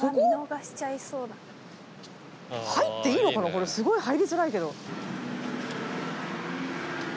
これすごい入りづらいけど。